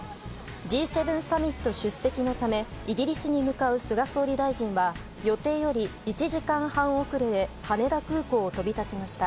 Ｇ７サミット出席のためイギリスに向かう菅総理大臣は予定より１時間半遅れで羽田空港を飛び立ちました。